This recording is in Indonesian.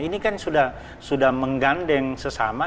ini kan sudah menggandeng sesama